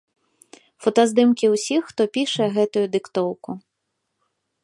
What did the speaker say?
Фотаздымкі ўсіх, хто піша гэтую дыктоўку.